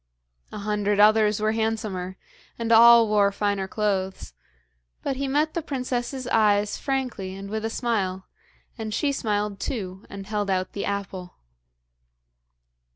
A hundred others were handsomer, and all wore finer clothes; but he met the princess's eyes frankly and with a smile, and she smiled too, and held out the apple.